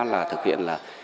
là thực hiện là